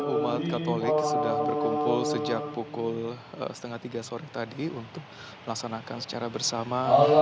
umat katolik sudah berkumpul sejak pukul setengah tiga sore tadi untuk melaksanakan secara bersama